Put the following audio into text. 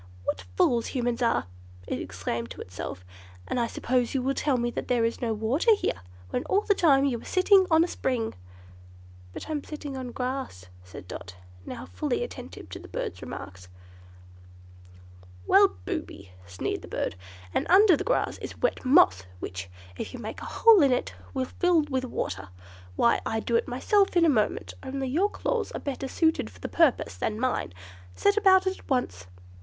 "What fools Humans are," it exclaimed to itself. "And I suppose you will tell me there is no water here, when all the time you are sitting on a spring." "But I'm sitting on grass," said Dot, now fully attentive to the bird's remarks. "Well, booby," sneered the bird, "and under the grass is wet moss, which, if you make a hole in it, will fill with water. Why, I'd do it myself, in a moment, only your claws are better suited for the purpose than mine. Set about it at once!"